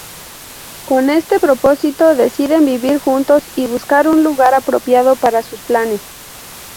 Con este propósito deciden vivir juntos y buscar un lugar apropiado para sus planes.